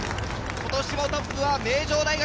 今年もトップは名城大学。